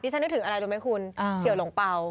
ฉันนึกถึงอะไรรู้ไหมคุณเสี่ยวหลงเป่า